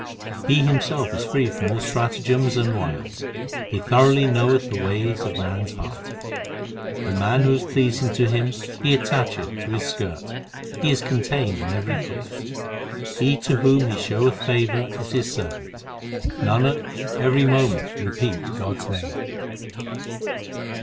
He Himself is free from all stratagems and wiles ; He thoroughly knoweth the ways of man s heart ; The man who is pleasing to Him He attacheth to His skirt He is contained in every place He to whom He showeth favour is His servant. Nanak, every moment repeat God s name.